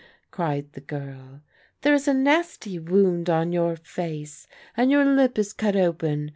cried^the girl. "There is a nasty wound on your face, and your lip is cut open.